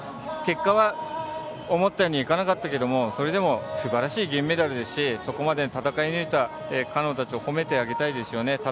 結果は思ったようにいかなかったけれどもそれでも素晴らしい銀メダルですしそこまでに戦い抜いた彼女たちを褒めてあげたいですよね。